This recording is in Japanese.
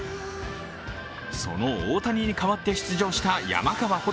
その大谷に代わって出場した山川穂